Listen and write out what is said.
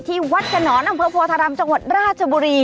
ที่วัฒนธรรมอำเภอภัทรธรรมจังหวัดราชบุรี